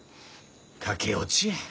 駆け落ちや。